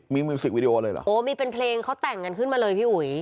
มีมิวสิกวิดีโอเลยเหรอโอ้มีเป็นเพลงเขาแต่งกันขึ้นมาเลยพี่อุ๋ย